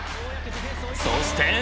そして！